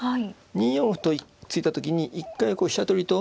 ２四歩と突いた時に一回こう飛車取りと。